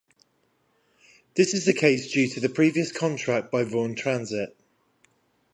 This is the case due to previous contract by Vaughan Transit.